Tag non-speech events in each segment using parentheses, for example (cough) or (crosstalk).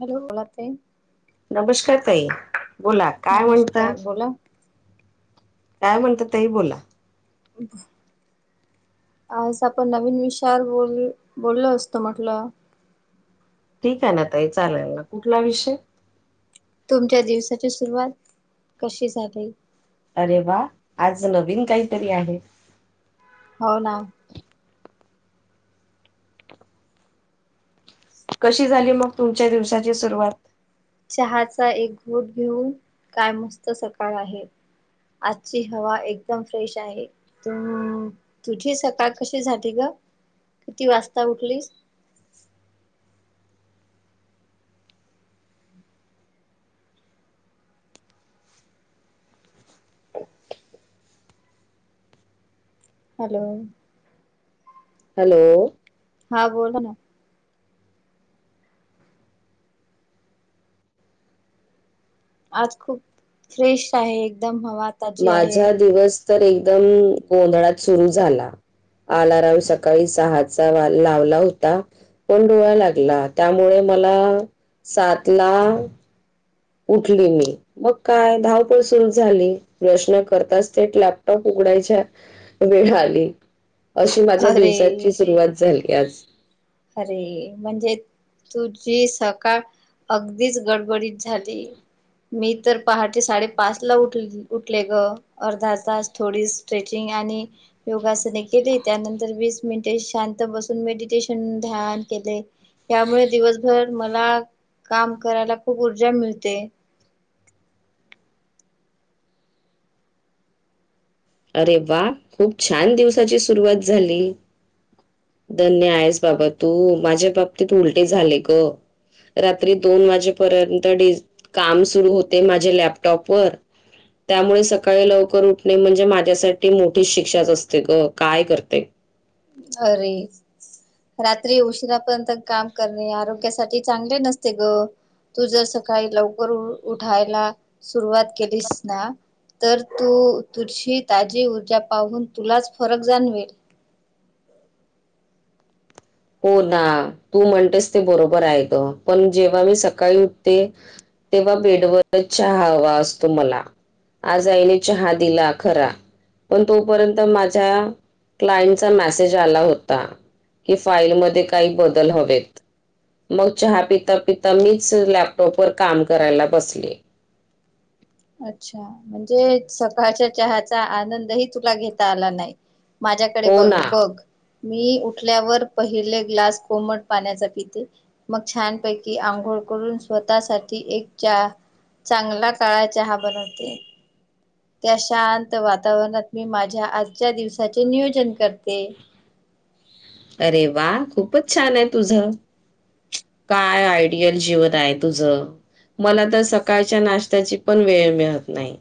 Hello बोला ताई नमस्कार ताई बोला काय म्हणता नमस्कार बोला काय म्हणता ताई बोला (inaudible) आज आपण नवीन विषयावर बोल बोललो असतो म्हटलं ठीक आहे ना ताई चालायला कुठला विषय तुमच्या दिवसाची सुरुवात कशी झाली अरे वा आज नवीन काहीतरी आहे हो ना कशी झाली मग तुमच्या दिवसाची सुरुवात चहाचा एक घोट घेऊन काय मस्त सकाळ आहे आजची हवा एकदम फ्रेश आहे अ तुझी सकाळ कशी झाली ग किती वाजता उठलीस हॅलो हॅलो हा बोला ना आज खूप फ्रेश आहे एकदम हवा ताजी आहे माझा दिवस तर एकदम गोंधळात सुरू झाला आलाराम सकाळी सहा चा लावला होता पण डोळा लागला त्यामुळे मला सात ला उठली मी मग काय धावपळ सुरू झाली प्रश्न करताच थेट लॅपटॉप उघडायच्या वेळ आली अशी माझ्या अरे दिवसाची सुरुवात झाली आज अरे म्हणजे तुझी सकाळ अगदीच गडबडीत झाली मी तर पहाटे साडेपाच ला उठले उठले ग अर्धा तास थोडी स्ट्रेचिंग आणि योगासने केली त्यानंतर वीस मिनिटे शांत बसून मेडिटेशन ध्यान केले त्यामुळे दिवसभर मला काम करायला खूप ऊर्जा मिळते अरे वा खूप छान दिवसाची सुरुवात झाली धन्य आहेस बाबा तू माझ्या बाबतीत उलटे झाले ग रात्री दोन वाजेपर्यंत डीस काम सुरू होते माझे लॅपटॉपवर त्यामुळे सकाळी लवकर उठणे म्हणजे माझ्यासाठी मोठी शिक्षाच असते ग काय करते अरे रात्री उशिरापर्यंत काम करणे आरोग्यासाठी चांगले नसते ग तू जर सकाळी लवकर उठायला सुरुवात केलीस ना तर तू तुझी ताजी ऊर्जा पाहून तुलाच फरक जाणवेल हो ना तू म्हणतेस ते बरोबर आहे ग पण जेव्हा मी सकाळी उठते तेव्हा बेडवरच चहा हवा असतो मला आज आईने चहा दिला खरा पण तोपर्यंत माझ्या क्लाइंटचा मेसेज आला होता फाईल मध्ये काही बदल हवेत मग चहा पिता पिता मीच लॅपटॉपवर काम करायला बसले अच्छा म्हणजे सकाळच्या चहाचा आनंदही तुला घेता आला नाही माझ्याकडे हो बघ ना बघ मी उठल्यावर पहिले ग्लास कोमट पाण्याचा पिते मग छानपैकी आंघोळ करून स्वतःसाठी एक च्या चांगला काळा - चहा बनवते त्या शांत वातावरणात मी माझ्या आजच्या दिवसाचे नियोजन करते अरे वा खूपच छान आहे तुझ काय आयडियल जिवत आहे तुझ मला तर सकाळच्या नाश्त्याची पण वेळ मिळत नाही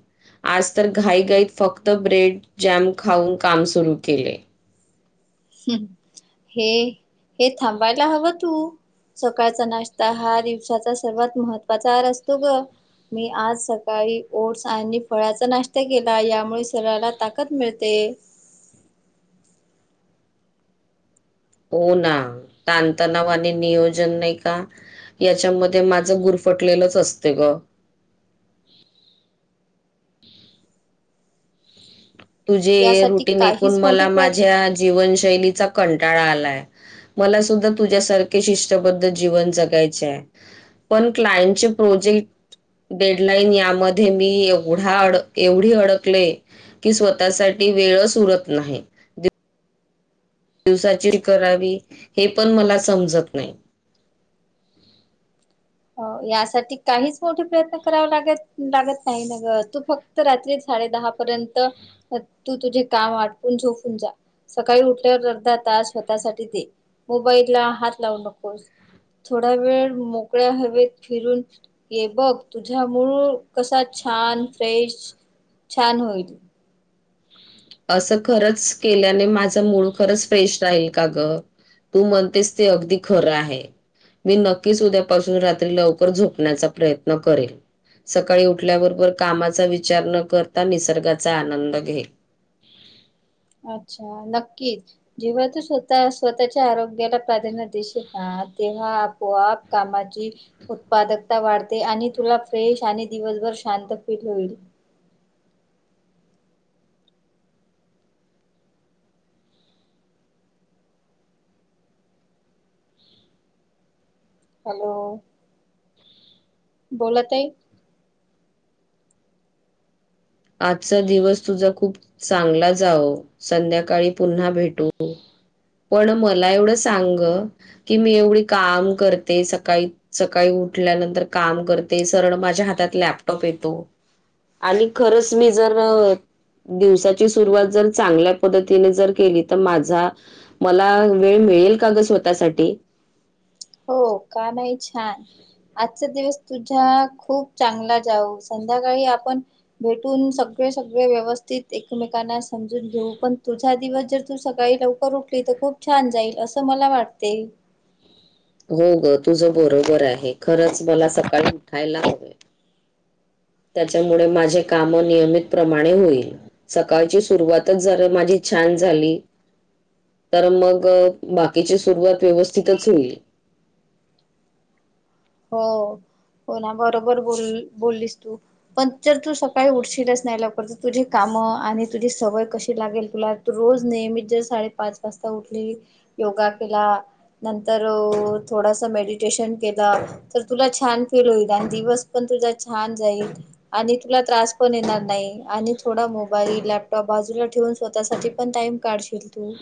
आज तर घाई गाईत फक्त ब्रेड जॅम खाऊन काम सुरू केले हे हे थांबायला हवं तू सकाळचा नाश्ता हा दिवसाचा सर्वात महत्त्वाचा आहर असतो ग मी आज सकाळी ओट्स आणि फळाचा नाश्ता केला यामुळे सरीराला ताकद मिळते हो ना तणतणाव आणि नियोजन नाही का याच्यामध्ये माझं गुरफटलेलंच असते ग तुझी यासाठी रुटीन काहीच ऐकून मोठे मला प्रयत्न माझ्या जीवनशैलीचा कंटाळा आलाय मला सुद्धा तुझ्यासारखे शिष्टबद्ध जीवन जगायचे आहे पण क्लायंटचे प्रोजेक्ट डेडलाईन यामध्ये मी एवढा अड एवढी अडकले की स्वतःसाठीठी वेळच उरत नाही दिवसाची करावी हे पण मला समजत नाही यासाठी काहीच मोठे प्रयत्न करावे लागत लागत नाही न ग तू फक्त रात्री साडे दहा पर्यंत तू तुझे काम आटपून झोपून जा सकाळी उठल्यावर अर्धा तास स्वतःसाठी दे मोबाईल ला हात लावू नकोस थोडा वेळ मोकळा ह फरून ये बघ तुझा मूळ कसा छान फ्रेश छान होईल असं खरंच केल्याने माझं मूळ खरंच फ्रेश राहील का ग तू म्हणतेस ते अगदी खरं आहे मी नक्कीच उद्यापासून रात्री लवकर झोपण्याचा प्रयत्न करेल सकाळी उठल्याबरोबर कामाचा विचार न करता निसर्गाचा आनंद घेईल अच्छा नक्कीच जेव्हा तू स्वतः स्वतःच्या आरोग्याला प्राधान्य दिशील ना तेव्हा आपोआप कामाची उत्पादकता वाढते आणि तुला फ्रेश आणि दिवसभर शांत फील होईल हॅलो बोलत आहे आजचा दिवस तुझा खूप चांगला जाव संध्याकाळी पुन्हा भेटू पण मला एवढं सांग की मी एवढी काम करते सकाळी सकाळी उठल्यानंतर काम करते सरळ माझ्या हातात लॅपटॉप येतो आणि खरंच मी जर दिवसाची सुरुवात जर चांगल्या पद्धतीने जर केली तर माझा मला वेळ मिळेल काग स्वतःसाठी हो का नाही छान आजचा दिवस तुझ्या खूप चांगला जाऊ संध्याकाळी आपण भेटून सगळे सगळे व्यवस्थित एकमेकांना समजून घेऊ पण तुझा दिवस जर तू सकाळी लवकर उठली तर खूप छान जाईल असं मला वाटते हो ग तुझं बरोबर आहे खरंच मला सकाळी उठायला हवंय त्याच्यामुळे माझे काम नियमित प्रमाणे होईल सकाळची सुरुवातच जरा माझी छान झाली तर मग बाकीची सुरुवात व्यवस्थितच होईल हो हो ना बरोबर बोल बोललीस तू पण जर तू सकाळी उठशीलच नाही लकरत तुझी कामं आणि तुझी सवय कशी लागेल तुला रोज नेहमी जर साडेपाच वाजता उठली योगा केला नंतर थोडस मेडिटेशन केलं तुला छान फील होईल आणि दिवस पण तुझा छान जाईल आणि तुला त्रास पण येणार नाही आणि थोडा मोबाईल लॅपटॉप बाजूला ठेवून स्वतःसाठी पण टाइम काढशील तू.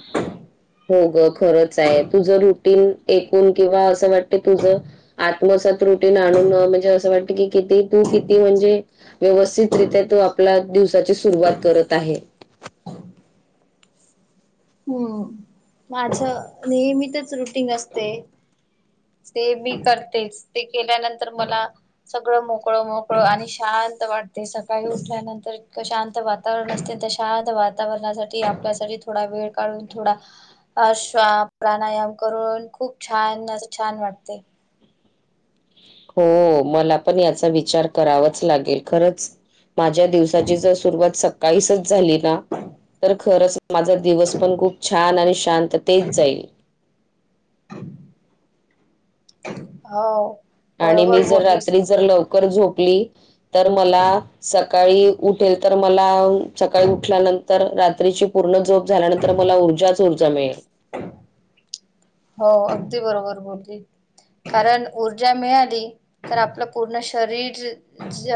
हो ग खरच आहे तुझ रुटीन एकून किंवा अस वाट त तुझ आत्मसात रुटीन आणून म्हणजे असं वाटत की किती तू किती म्हणजे व्यवस्थितरित्या तू आपला दिवसाची सुरुवात करत आहे. हम्म माझं नेहमी तेच रुटीगं असते. सते ते मी करतेच ते केल्यानंतर मला सगळं मोकळं मोकळं आणि शांत वाटते सकाळी उठल्यानंतर इतक शांत वात तावरण असते त्या शांत वातावरणासाठी आपल्यासाठी थोडा वेळ काढून थोडा अ श्वा प्राणायाम करून खूप छान असं छान वाटते. हो मला पण याचा विचार करावाच लागेल खरंच. माझ्या दिवसाची जर सुरुवात सकाळीसच झाली ना तर खरंच माझा दिवस पण खूप छान आणि शांततेत जाईल. हव. आणि मी जर रात्री जर लवकर झोपली तर मला स काळी उठेल तर मला अ सकाळी उठल्यानंतर रात्रीची पूर्ण जोप झाल्यानंतर तर मला ऊर्जाच ऊर्जा मिळेल. (inaudible) हो अगदी बरोबर बोलली. कारण ऊर्जा मिळाली तर आपलं पूर्ण शरीर ज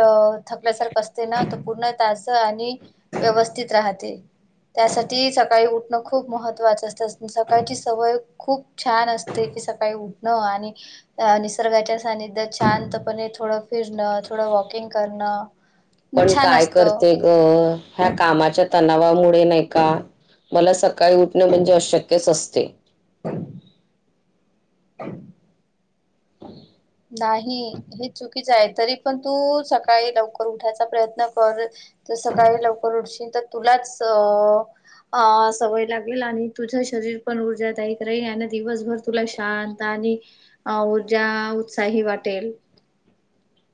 थकल्यासारख असते ना त पूर्ण तास आणि व्यवस्थित राहते. त्यासाठी सकाळी उठणं खूप महत्वाचं असतं सकाळची सवय खूप छान असते की सकाळी उठणं आणि अ निसर्गाच्या सानिध्य द शांतपणे थोडं फिरणं थोडं वॉकिंग करणं पण छान काय असतं. करते ग ह्या कामाच्या तणावामुळे नाही का मला सकाळी उठणं म्हणजे अशक्यच असतें. (inaudible) (inaudible) नाही. हे चुकीच आहे तरी पण तू सकाळी लवकर उठायचा प्रयत्न कर त सकाळी लवकर उठशील तर तुलाच अ अ सवय लागेल आणि तुझं शरीर पण ऊर्जादायक राहील आणि दिवसभर तुला शांत आणि अ ऊर्जा उत्साही वाटेल.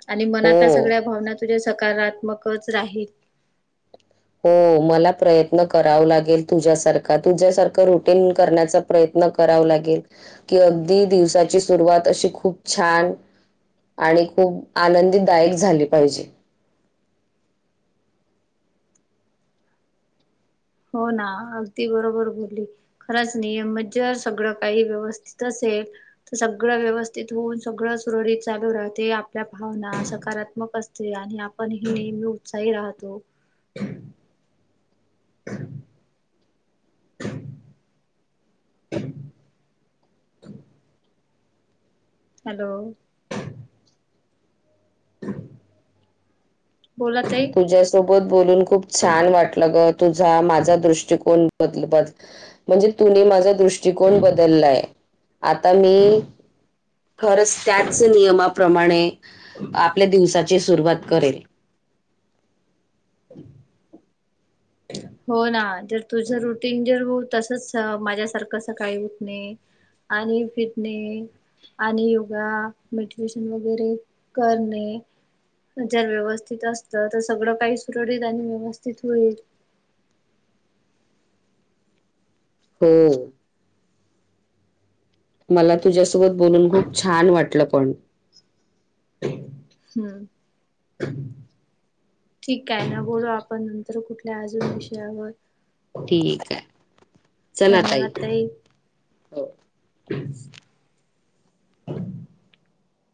आणि मनातल्या हो सगळ्या भावना तुझ्या सकारात्मक च राहील. हो मला प्रयत्न कराव लागेल तुझ्यासारखं तुझ्यासारखं रुटीन करण्याचा प्रयत्न कराव लागेल, की अगदी दिवसाची सुरुवात अशी खूप छान आणि खूप आनंदीदायक झाली पाहिजे. हो ना अगदी बरोबर बोलली. खरंच नियमीत जर सगळं काही व्यवस्थित असेल त सगळं व्यवस्थित होऊन सगळं सुरळीत चालू राहते आपल्या भावना सकारात्मक अस ते आपण नेहमी उत्साही राहतो. (inaudible) (inaudible) हॅलो. बोला ताई. तुझ्या सोबत बोलून खूप छान वाटलं ग तुझा माझा दृष्टिकोन बदल बद म्हणजे तुनी माझा दृष्टकोन बदललाय आता मी खरंच त्याच नियमाप्रमाणे आपल्या दिवसाची सुरुवात करेल. (inaudible) हो ना. जर तुझं रुटीन जर तसंच माझ्यासारखं सकाळी उठणे- आणि फिरणे- आणि योगा मेडिटेशन वगैरे करणे- जर व्यवस्थित असत. तर सगळं काही सुरळीत आणि व्यवस्थित होईल. होय. मला तुझ्यासोबत बोलून खूप छान वाटलं पण. हम्म. ठीक आहे ना. बोलू आपण नंतर अजून कुठल्या विषयावर. ठीक आहे. धन्यवाद ताई. हो.